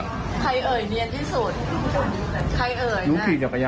เค้าไปเก็ตเก็ตมากเลยหรอ